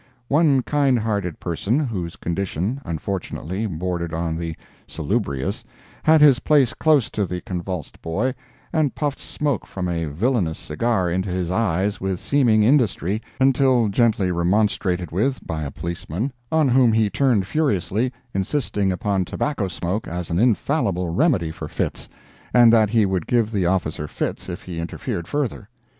One kind hearted person, whose condition, unfortunately, bordered on the "salubrious," had his place close to the convulsed boy, and puffed smoke from a villanous cigar into his eyes with seeming industry, until gently remonstrated with by a Policeman, on whom he turned furiously, insisting upon tobacco smoke as an infallible remedy for fits, and that he would give the officer fits if he interfered further.